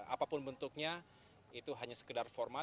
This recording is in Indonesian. apapun bentuknya itu hanya sekedar formal